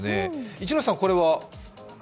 一ノ瀬さん、これは？